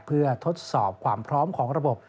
เพื่อทดสอบความพร้อมของระบบ